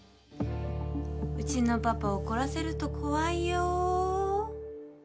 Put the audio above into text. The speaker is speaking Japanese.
うちのパパ怒らせると怖いよ。